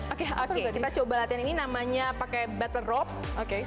oke kita coba latihan ini namanya pakai battle rope